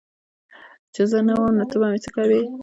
چي زه نه وم نو ته به څه کوي